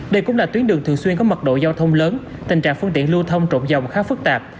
đây cũng là tuyến đường thường xuyên có mật độ giao thông lớn tình trạng phương tiện lưu thông trộm dòng khá phức tạp